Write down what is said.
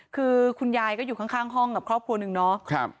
คือคุณยายก็อยู่ข้างห้องกับครอบครัวหนึ่งเนาะ